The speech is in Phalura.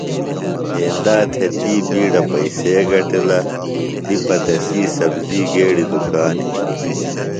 ایندا تھےۡ تی بِیڈہ پیئسے گِٹلہ تِپہ تسی سبزی گیڈیۡ دُکان ہِنیۡ.